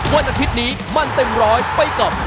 วันอาทิตย์นี้มันเต็มร้อยไปกับ